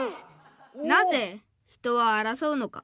なぜ人は争うのか」。